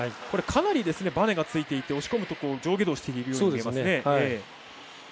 かなり、バネがついていて押し込むと上下動しているように見えますね。